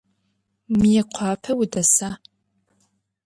Mıêkhuape vudesa?